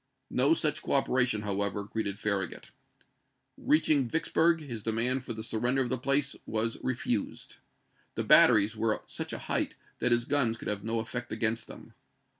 No such cooperation, however, greeted Farragut. Reaching Vicksburg, his demand for the surrender of the place was refused. The batteries were at such a height that his guns could have no effect against them.